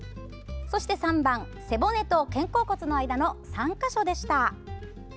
そして３番、背骨と肩甲骨の間の３か所でした。